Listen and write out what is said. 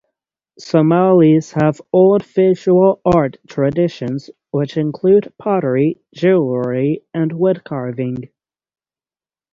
Somalis have old visual art traditions, which include pottery, jewelry and wood carving.